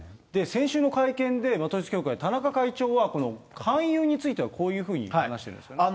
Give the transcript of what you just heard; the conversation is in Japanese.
先週の会見で、統一教会、田中会長は、この勧誘については、こういうふうに話してるんですよね。